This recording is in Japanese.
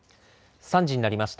３時になりました。